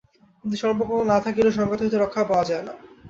কিন্তু সম্পর্ক না থাকিলেও সংঘাত হইতে রক্ষা পাওয়া যায় না।